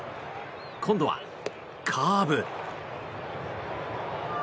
今度は、カーブ。